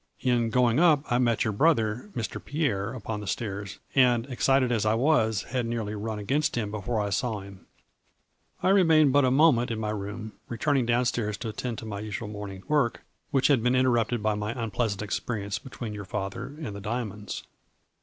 In going up I met your brother, Mr. Pierre, upon the stairs, and, excited as I was, had nearly run against him before I saw him. I remained but a moment in my room, return ing down stairs to attend to my usual morning work which had been interrupted by my un pleasant experience between your father and the diamonds.